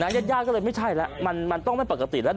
ยัดยากก็เลยไม่ใช่แล้วมันต้องเป็นปกติแล้ว